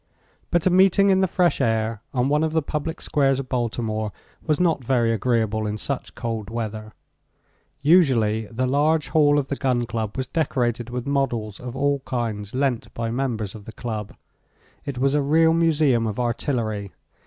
But a meeting in the fresh air on one of the public squares of Baltimore was not very agreeable in such cold weather. Usually the large hall of the Gun Club was decorated with models of all kinds lent by members of the Club. It was a real museum of artillery.